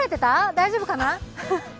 大丈夫かな？